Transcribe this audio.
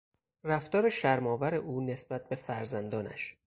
رفتار شرمآور او نسبت به فرزندانش